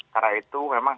karena itu memang